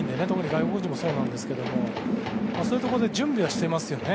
外国人もそうなんですけどそういうとこで準備はしてますよね。